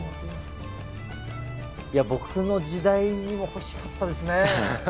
いや僕の時代にも欲しかったですね。